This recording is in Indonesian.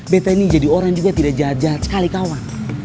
betain ini jadi orang juga tidak jahat jahat sekali kawan